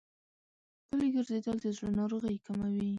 پلي ګرځېدل د زړه ناروغۍ کموي.